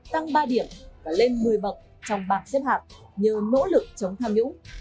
tăng ba điểm và lên một mươi bậc trong bảng xếp hạc nhờ nỗ lực chống tham nhũng